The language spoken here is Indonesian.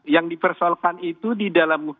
yang dipersoalkan itu di dalam